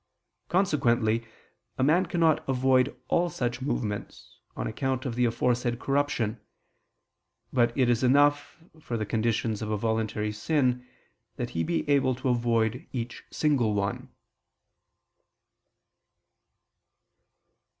Consequently, a man cannot avoid all such movements, on account of the aforesaid corruption: but it is enough, for the conditions of a voluntary sin, that he be able to avoid each single one.